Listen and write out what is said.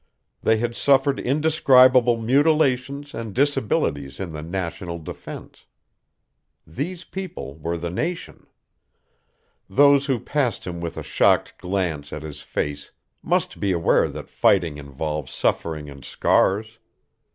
They had suffered indescribable mutilations and disabilities in the national defense. These people were the nation. Those who passed him with a shocked glance at his face must be aware that fighting involves suffering and scars.